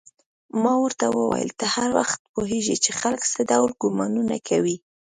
ما ورته وویل: ته هر وخت پوهېږې چې خلک څه ډول ګومانونه کوي؟